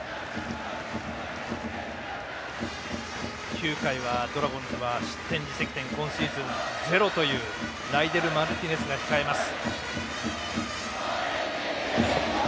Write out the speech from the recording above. ９回はドラゴンズは失点自責点、今シーズン０というライデル・マルティネスが控えます。